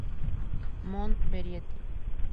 Moon' variety'.